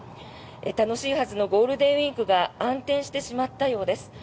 楽しいはずのゴールデンウィークが暗転してしまったようです。